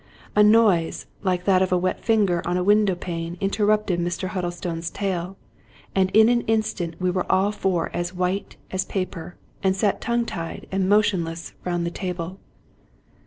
A noise like that of a wet finger on the window pane in terrupted Mr. Huddlestone's tale ; and in an instant we were all four as white as paper, and sat tongue tied and motion less round the table.